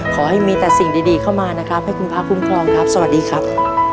ขอให้มีแต่สิ่งดีเข้ามานะครับให้คุณพระคุ้มครองครับสวัสดีครับ